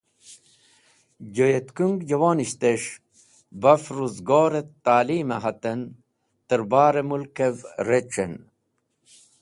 Joyetkung Jawonisht es̃h baf ruzgoret ta’lim e haten terbare Mulkev rec̃han.